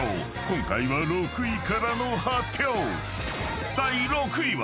今回は６位からの発表］